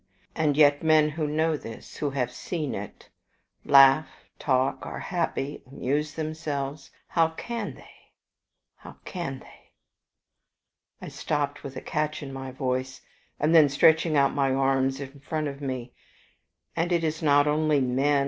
And yet men who know this, who have seen it, laugh, talk, are happy, amuse themselves how can they, how can they?" I stopped with a catch in my voice, and then stretching out my arms in front of me "And it is not only men.